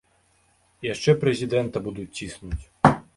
І яшчэ прэзідэнта будуць ціснуць.